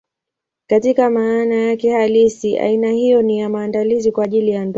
Katika maana yake halisi, aina hiyo ni ya maandalizi kwa ajili ya ndoa.